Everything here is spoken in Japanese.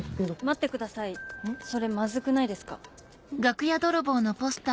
待ってくださいそれまずくないですか？